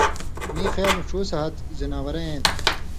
میں خیال مہ ݜُو سہتہۡ زناؤرہ ایں تھہ،